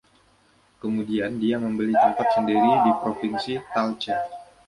Kemudian dia membeli tempat sendiri, di Provinsi Talca.